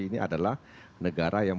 ini adalah negara yang